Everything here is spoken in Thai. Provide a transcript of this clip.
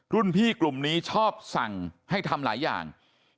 รุ่นพี่กลุ่มนี้ชอบสั่งให้ทำหลายอย่าง